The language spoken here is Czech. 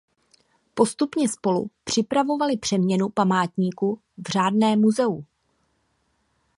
Postupně spolu připravovali přeměnu památníku v řádné muzeum.